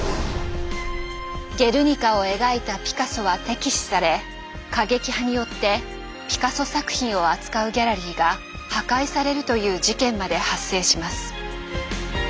「ゲルニカ」を描いたピカソは敵視され過激派によってピカソ作品を扱うギャラリーが破壊されるという事件まで発生します。